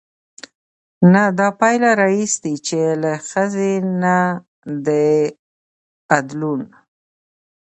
نه دا پايله راايستې، چې له ښځې نه د ادلون